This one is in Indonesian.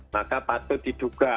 maka patut diduga